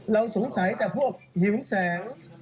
เราสงสัยแต่พวกหิวแสง